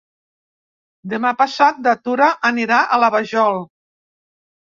Demà passat na Tura anirà a la Vajol.